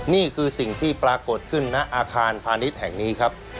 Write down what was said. นี่คือสิ่งที่ปรากฏขึ้นณอาคารพาณิชย์แห่งนี้ครับ